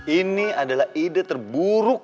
ini adalah ide terburuk